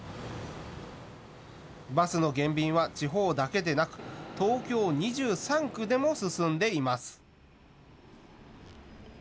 バスの減便は地方だけでなく東京２３区でも進んでいます。